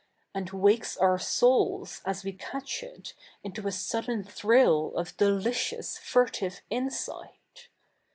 id wakes our souls, as we catch it, into a sudden thrill of delicious, furtive insight.